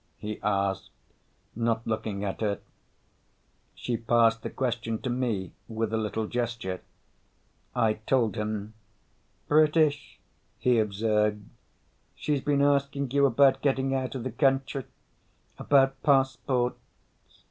he asked, not looking at her. She passed the question to me with a little gesture. I told him. "British," he observed. "She's been asking you about getting out of the country? About passports?"